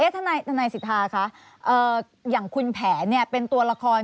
ทนายสิทธาคะอย่างคุณแผนเป็นตัวละคร